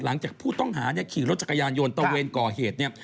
หลังจากผู้ต้องหาเนี่ยขี่รถจักรยานยนต์ตะเวนก่อเหตุเนี่ย